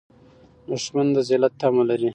دښمن د ذلت تمه لري